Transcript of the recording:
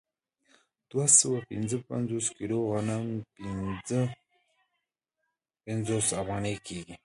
دوه سوه پنځه پنځوس کیلو غنم پنځه پنځوس افغانۍ کېږي